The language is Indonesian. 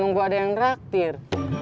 nunggu ada yang nerak tir